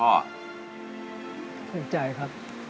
รู้สึกดีใจครับ